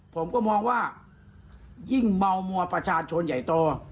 ผมก็มองว่ายิ่งเมามัวประชาชนใหญ่โต